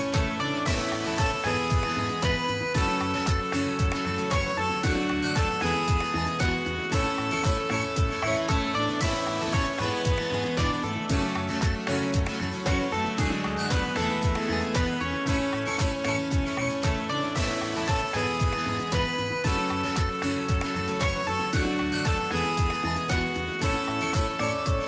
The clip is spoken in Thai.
สวัสดีครับสวัสดีครับสวัสดีครับ